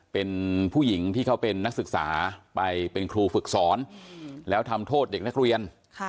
เป็นผู้หญิงที่เขาเป็นนักศึกษาไปเป็นครูฝึกสอนแล้วทำโทษเด็กนักเรียน